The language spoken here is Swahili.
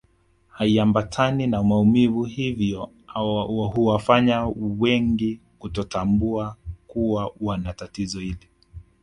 Haiambatani na maumivu hivyo huwafanya wengi kutotambua kuwa wana tatizo hili